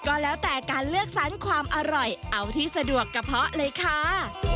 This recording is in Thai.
ก็แล้วแต่การเลือกสรรความอร่อยเอาที่สะดวกกระเพาะเลยค่ะ